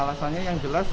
alasannya yang jelas